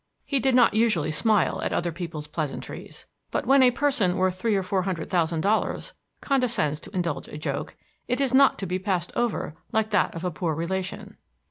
He did not usually smile at other people's pleasantries; but when a person worth three or four hundred thousand dollars condescends to indulge a joke, it is not to be passed over like that of a poor relation.